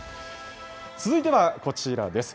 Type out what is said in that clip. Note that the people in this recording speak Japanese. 続いてはこちらです。